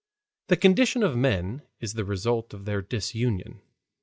The condition of men is the result of their disunion.